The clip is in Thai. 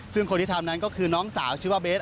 ซึ่งคนที่ทำนั้นก็คือน้องสาวชื่อว่าเบส